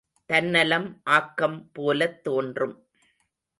தன்னலம் ஆக்கம் போலத் தோன்றும்.